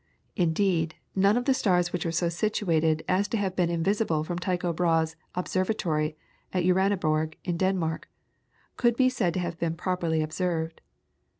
Indeed none of the stars which were so situated as to have been invisible from Tycho Brahe's observatory at Uraniborg, in Denmark, could be said to have been properly observed.